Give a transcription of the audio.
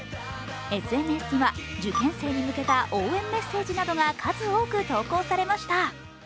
ＳＮＳには、受験生に向けた応援メッセージなどが数多く投稿されました。